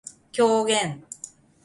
狂言